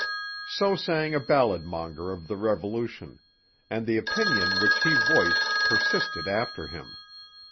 So sang a ballad monger of the Revolution; and the opinion which he voiced persisted after him.